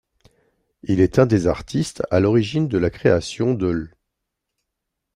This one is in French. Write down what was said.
Il est un des artistes à l'origine de la création de l'.